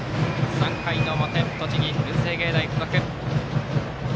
３回の表、栃木・文星芸大付属